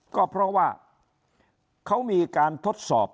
ก็เพราะว่าเขามีการทดสอบ